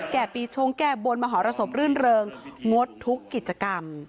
แก่ปีชงแก้บนมหรสบรื่นเริงงดทุกกิจกรรม